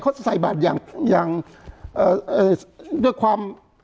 เขาจะใส่บาทอย่างอย่างเอ่อเอ่อด้วยความ